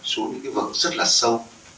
xuống những cái vực rất là sâu